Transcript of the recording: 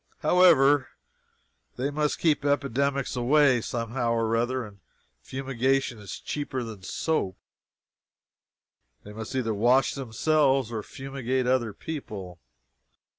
However, they must keep epidemics away somehow or other, and fumigation is cheaper than soap. They must either wash themselves or fumigate other people.